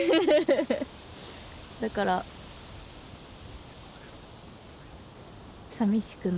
だからさみしくなります。